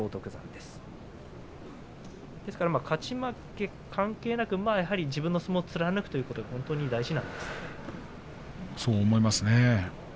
ですから勝ち負け関係なく自分の相撲を貫くということは本当に大事なんですね。